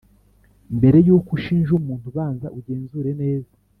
mbere yuko ushinja umuntu banza ugenzure neza